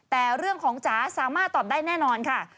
แต่เรื่องของจ๋าสามารถตอบได้แน่นอนค่ะ